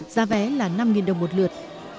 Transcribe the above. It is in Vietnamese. giá vé là năm đồng một lượt